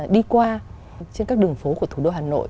đi qua trên các đường phố của thủ đô hà nội